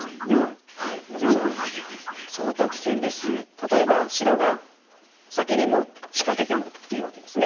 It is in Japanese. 例えば白が先にもう仕掛けてもいいわけですね。